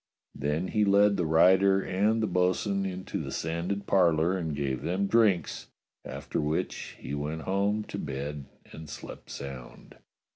Then he led the rider and the bo'sun into the sanded parlour and gave them drinks, after which he went home to bed and slept sound.